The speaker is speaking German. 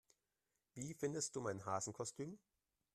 Wie findest du mein Hasenkostüm?